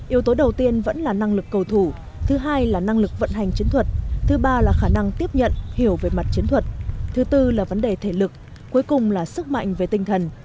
yếu tố đầu tiên vẫn là năng lực cầu thủ thứ hai là năng lực vận hành chiến thuật thứ ba là khả năng tiếp nhận hiểu về mặt chiến thuật thứ tư là vấn đề thể lực cuối cùng là sức mạnh về tinh thần